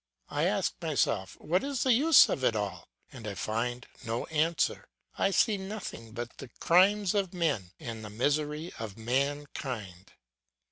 I ask myself what is the use of it all, and I find no answer. I see nothing but the crimes of men and the misery of mankind.